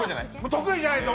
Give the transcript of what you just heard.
得意じゃないです。